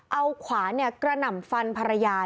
เอาขวานกระหน่ำฟันภรรยา